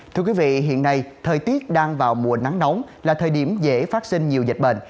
thưa quý vị hiện nay thời tiết đang vào mùa nắng nóng là thời điểm dễ phát sinh nhiều dịch bệnh